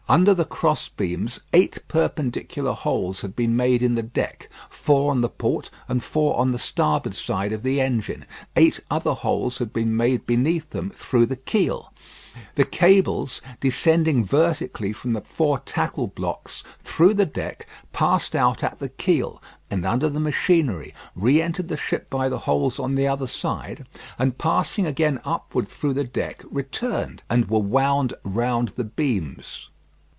Under the cross beams, eight perpendicular holes had been made in the deck, four on the port, and four on the starboard side of the engine; eight other holes had been made beneath them through the keel. The cables, descending vertically from the four tackle blocks, through the deck, passed out at the keel, and under the machinery, re entered the ship by the holes on the other side, and passing again upward through the deck, returned, and were wound round the beams.